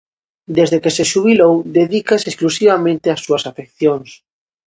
Desde que se xubilou, dedícase exclusivamente ás súas afeccións.